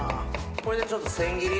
これでちょっと千切り？